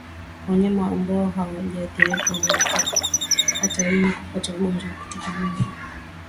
Wanyama ambao hawajaathirika wapo hatarini kupata ugonjwa wa kutupa mimba